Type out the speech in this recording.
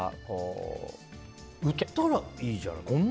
売ったらいいじゃん